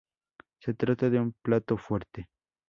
Se trata de un plato fuerte.